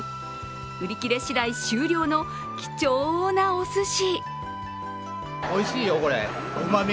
売り切れ次第終了の貴重なおすし。